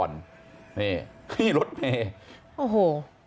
นี่รถเมโอ้โห